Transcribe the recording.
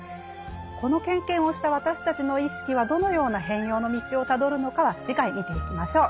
この経験をした私たちの意識はどのような変容の道をたどるのかは次回見ていきましょう。